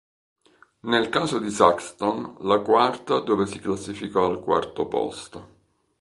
Nel caso di Saxton, la quarta dove si classificò al quarto posto.